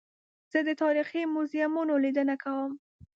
زه د تاریخي موزیمونو لیدنه کوم.